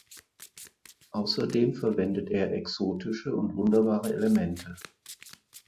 Außerdem verwendet er exotische und wunderbare Elemente.